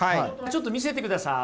ちょっと見せてください。